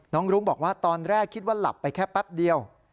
รุ้งบอกว่าตอนแรกคิดว่าหลับไปแค่แป๊บเดียว